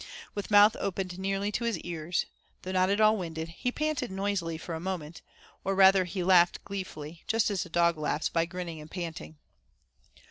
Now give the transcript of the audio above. With mouth opened nearly to his ears, though not at all winded, he panted noisily for a moment, or rather he laughed gleefully, just as a dog laughs by grinning and panting.